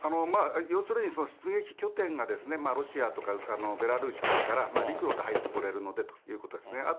要するに出撃拠点がロシアとかベラルーシですから、陸路で入ってこれるのでということですね。